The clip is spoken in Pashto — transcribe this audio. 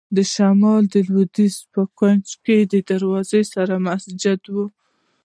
د شمال لوېدیځ کونج کې دروازې سره مسجد و.